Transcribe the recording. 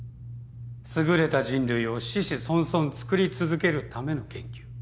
優れた人類を子々孫々つくり続けるための研究。